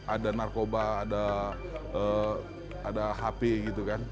ada narkoba ada hp gitu kan